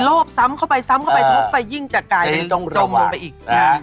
บซ้ำเข้าไปซ้ำเข้าไปทุบไปยิ่งจะไกลจมลงไปอีก